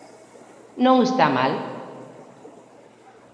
_Non está mal.